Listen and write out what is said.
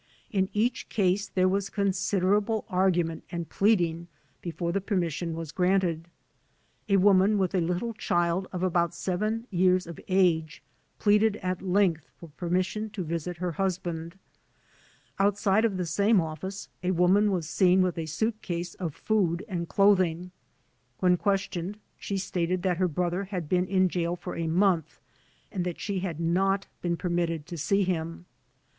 In each case there was considerable argument and pleading before the permission was granted. A woman with a little child of about seven years of age, pleaded at length for permission to visit her husband. Outside of the same office a woman was seen with a suitcase of food and clothing. When questioned she stated that her brother had been in jail for a month and that she had not been permitted to see him.